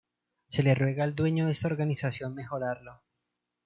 Se le ruega al dueño de esta organización mejorarlo.